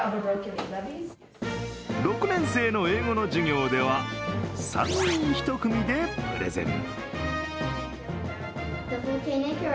６年生の英語の授業では、３人１組でプレゼン。